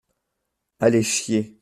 Allez chier !